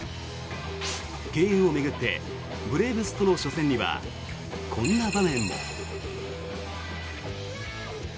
敬遠を巡ってブレーブスとの初戦にはこんな場面も。